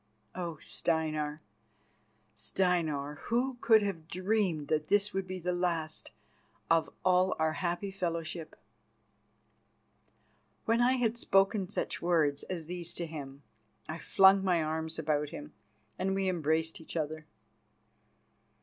Oh! Steinar, Steinar, who could have dreamed that this would be the last of all our happy fellowship?" When I had spoken such words as these to him, I flung my arms about him, and we embraced each other.